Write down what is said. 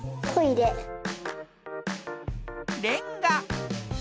レンガ。